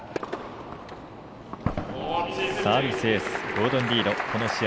サービスエースゴードン・リードこの試合